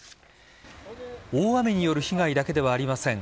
大雨による被害だけではありません。